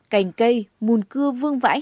cành cây mùn cưa vương vãi